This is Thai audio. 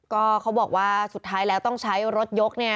ก็เขาบอกว่าสุดท้ายแล้วต้องใช้รถยก